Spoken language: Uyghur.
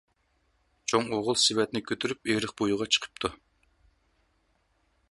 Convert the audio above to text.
چوڭ ئوغۇل سېۋەتنى كۆتۈرۈپ ئېرىق بويىغا چىقىپتۇ،